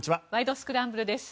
スクランブル」です。